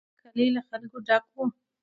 کلی له خلکو ډک و.